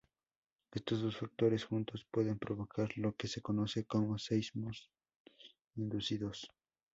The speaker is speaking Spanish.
Estos dos factores juntos pueden provocar lo que se conoce como "seísmos inducidos".